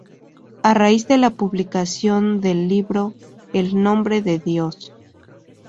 A raíz de la publicación del libro "El nombre de Dios.